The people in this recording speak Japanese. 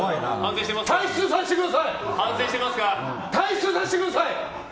退出させてください！